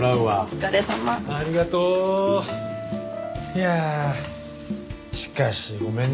いやあしかしごめんね。